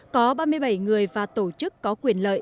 có ba mươi bảy người và tổ chức có quyền lợi